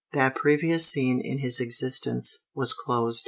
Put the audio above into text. That previous scene in his existence was closed.